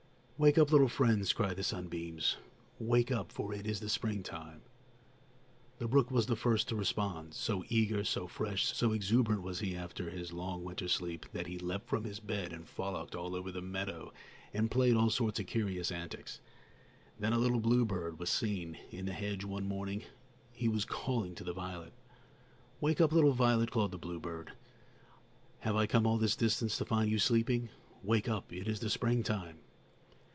"Wake up, little friends!" cried the sunbeams, "wake up, for it is the springtime!" The brook was the first to respond. So eager, so fresh, so exuberant was he after his long winter sleep, that he leaped from his bed and frolicked all over the meadow and played all sorts of curious antics. Then a little bluebird was seen in the hedge one morning. He was calling to the violet. "Wake up, little violet," called the bluebird. "Have I come all this distance to find you sleeping? Wake up; it is the springtime!"